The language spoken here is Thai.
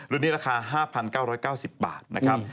รุ่นนี้ราคา๕๙๙๐บาทนะครับ